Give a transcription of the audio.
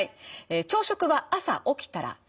朝食は朝起きたらすぐ。